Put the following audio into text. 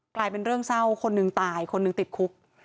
กลายเป็นเรื่องเศร้าคนหนึ่งตายคนหนึ่งติดคุก